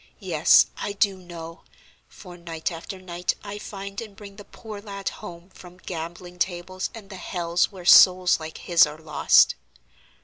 Yes, I do know; for, night after night, I find and bring the poor lad home from gambling tables and the hells where souls like his are lost."